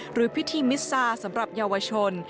หรือพิธีมิซาสำหรับเยาวชน